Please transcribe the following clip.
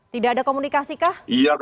tidak ada komunikasi kah